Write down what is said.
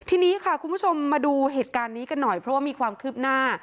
ทีนี้ค่ะคุณผู้ชมมาดูเหตุการณ์นี้กันหน่อยเพราะว่ามีความคืบหน้า